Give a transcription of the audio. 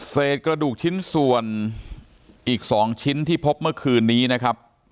กระดูกชิ้นส่วนอีก๒ชิ้นที่พบเมื่อคืนนี้นะครับ